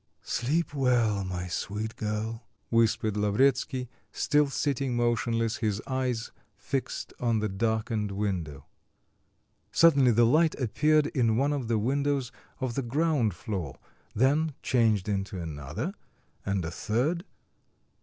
"Sleep well, my sweet girl," whispered Lavretsky, still sitting motionless, his eyes fixed on the darkened window. Suddenly the light appeared in one of the windows of the ground floor, then changed into another, and a third....